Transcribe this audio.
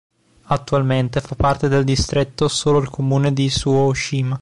Attualmente fa parte del distretto solo il comune di Suō-Ōshima.